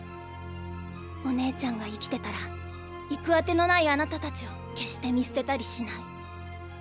お姉ちゃんが生きてたら行くあての無いあなたたちを決して見捨てたりしない。